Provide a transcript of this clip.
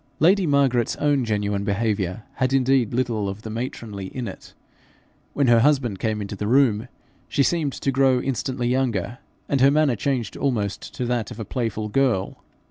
Lady Margaret's own genuine behaviour had indeed little of the matronly in it; when her husband came into the room, she seemed to grow instantly younger, and her manner changed almost to that of a playful girl.